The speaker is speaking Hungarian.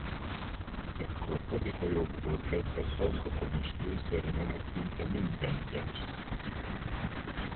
Ekkor hadihajóktól kezdve tankokon és lőszeren át szinte mindent gyártottak itt.